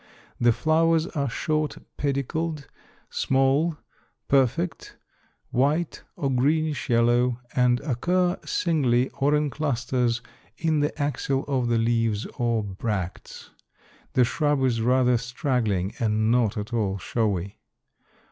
The flowers are short pedicled, small, perfect, white or greenish yellow, and occur singly or in clusters in the axil of the leaves or bracts. The shrub is rather straggling and not at all showy.